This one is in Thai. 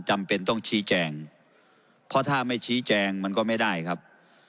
จำเป็นต้องชี้แจงเพราะถ้าไม่ชี้แจงมันก็ไม่ได้ครับ